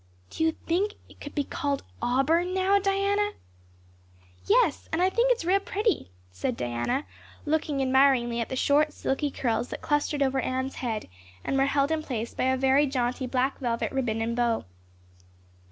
Do you think it could be called auburn now, Diana?" "Yes, and I think it is real pretty," said Diana, looking admiringly at the short, silky curls that clustered over Anne's head and were held in place by a very jaunty black velvet ribbon and bow.